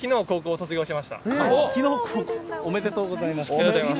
きのう、おめでとうございます。